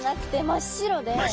真っ白で！